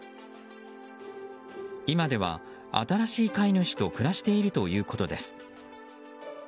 今では、新しい飼い主と暮らしているということです。